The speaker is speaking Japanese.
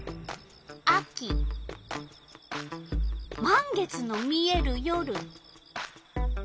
満月の見える夜。